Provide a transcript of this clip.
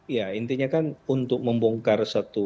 ya intinya kan untuk membongkar satu